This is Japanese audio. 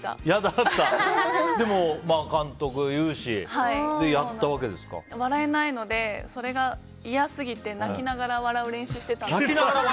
でも、監督が言うし笑えないので、それが嫌すぎて泣きながら笑う練習してたんです。